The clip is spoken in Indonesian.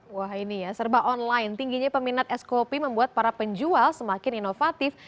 wah ini ya serba online tingginya peminat es kopi membuat para penjual semakin inovatif